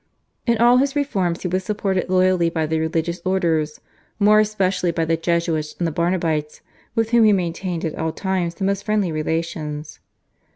In all his reforms he was supported loyally by the religious orders, more especially by the Jesuits and the Barnabites, with whom he maintained at all times the most friendly relations.